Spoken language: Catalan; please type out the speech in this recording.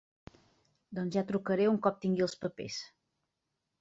Doncs ja trucaré un cop tingui els papers.